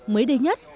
mới đây nhất